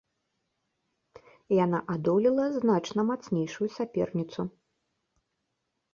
Яна адолела значна мацнейшую саперніцу.